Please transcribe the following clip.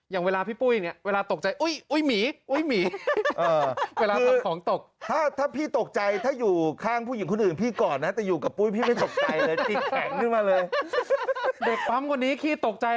อย่างเวลาพี่ปุ้ยเนี่ยเวลาตกใจโอ้ยโอ้ยหมี่โอ้ยหมี่